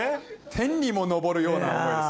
天にも昇るような思いです。